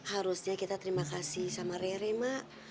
harusnya kita terima kasih sama rere mbak